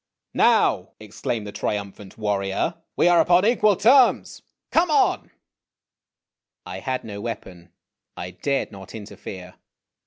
" Now," exclaimed the triumphant warrior, " we are upon equal terms ! Come on !' iSS IMAGINOTIONS I had no weapon. I dared not interfere.